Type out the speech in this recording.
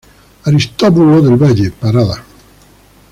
Aristóbulo del Valle; Parada.